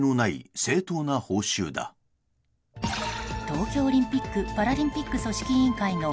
東京オリンピック・パラリンピック組織委員会の